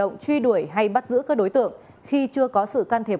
giữ các đối tượng khi chưa có sự can thiệp